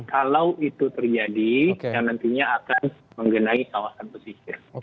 kalau itu terjadi nantinya akan menggenai kawasan pesisir